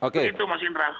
begitu mas indra